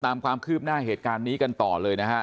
ตามความคืบหน้าเหตุการณ์นี้กันต่อเลยนะฮะ